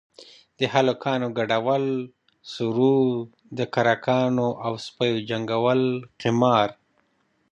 د هلکانو گډول سروذ د کرکانو او سپيو جنگول قمار.